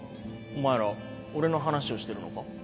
お前ら俺の話をしてるのか？